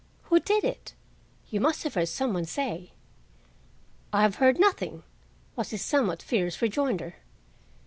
"Who did it? You must have heard some one say." "I have heard nothing," was his somewhat fierce rejoinder.